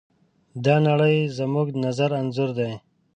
دا نړۍ زموږ د نظر انځور دی.